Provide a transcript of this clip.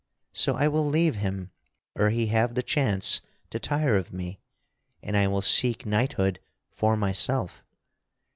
So I will leave him ere he have the chance to tire of me, and I will seek knighthood for myself.